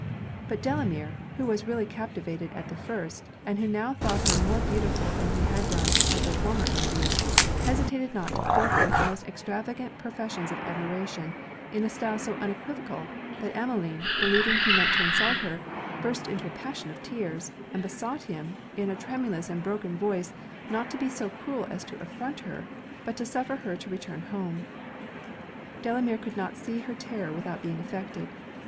But Delamere, who was really captivated at the first, and who now thought her more beautiful than he had done in their former interviews, hesitated not to pour forth the most extravagant professions of admiration, in a style so unequivocal, that Emmeline, believing he meant to insult her, burst into a passion of tears, and besought him, in a tremulous and broken voice, not to be so cruel as to affront her, but to suffer her to return home. Delamere could not see her terror without being affected.